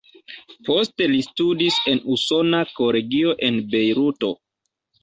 Poste li studis en Usona Kolegio en Bejruto.